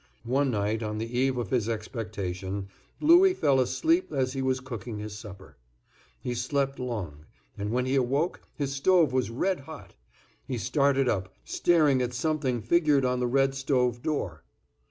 One night, on the eve of his expectation, Louis fell asleep as he was cooking his supper. He slept long, and when he awoke his stove was red hot. He started up, staring at something figured on the red stove door.